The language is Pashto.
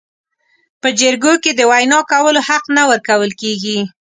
په جرګو کې د وینا کولو حق نه ورکول کیږي.